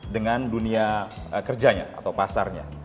dengan dunia kerjanya atau pasarnya